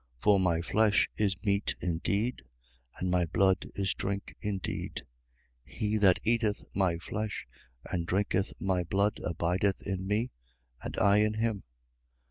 6:56. For my flesh is meat indeed: and my blood is drink indeed. 6:57. He that eateth my flesh and drinketh my blood abideth in me: and I in him.